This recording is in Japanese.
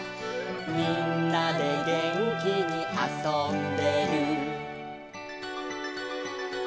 「みんなでげんきにあそんでる」